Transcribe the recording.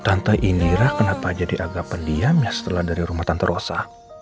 tante inilah kenapa jadi agak pendiam ya setelah dari rumah tante rosa